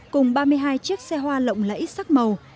cùng ba mươi hai chiếc xe hoa lộng lẫy sắc màu